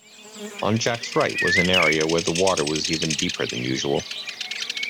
On Jack’s right was an area where the water was even deeper than usual